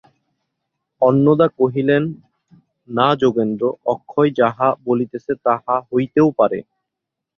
অন্নদা কহিলেন, না যোগেন্দ্র, অক্ষয় যাহা বলিতেছে তাহা হইতেও পারে।